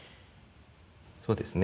そうですね。